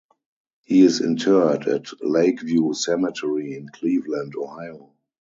He is interred at Lake View Cemetery in Cleveland, Ohio.